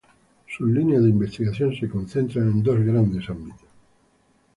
Sus líneas de investigación se concentran en dos grandes ámbitos.